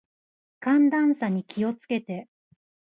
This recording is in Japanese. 寒暖差に気を付けて。